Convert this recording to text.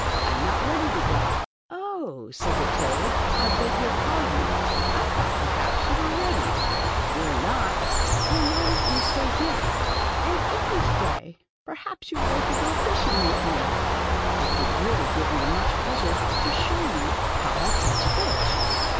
I am not ready to go.' •*0h," said the toad, "I beg your pardon: I thought perhaps, you were 'ready. If you are not, then whv don't vou stav here? And if vou stav. 34 The Toad. perhaps you would like to go fishing with me ? It will really give me much pleasure to show you how I catch fish.'